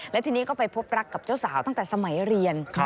และทีนี้ก็ไปพบรักกับเจ้าสาวตั้งแต่สมัยเรียน